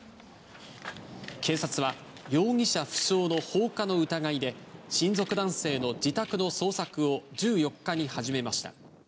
警察は容疑者不詳の放火の疑いで、親族男性の自宅の捜索を１４日に始めました。